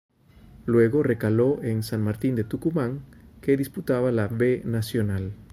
Luego recaló en San Martín de Tucumán, que disputaba la B Nacional.